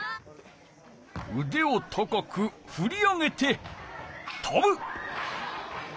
うでを高くふり上げてとぶ！